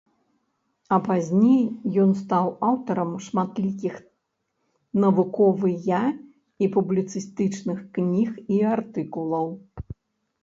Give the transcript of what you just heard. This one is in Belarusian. А пазней ён стаў аўтарам шматлікіх навуковыя і публіцыстычных кніг і артыкулаў.